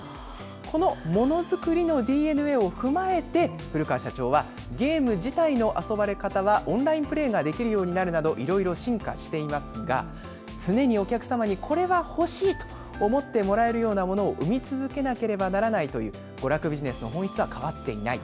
このものづくりのＤＮＡを踏まえて、古川社長は、ゲーム自体の遊ばれ方は、オンラインプレーができるようになるなど、いろいろ進化していますが、常にお客様にこれは欲しいと思ってもらえるようなものを生み続けなければならないという、娯楽ビジネスの本質は変わっていない。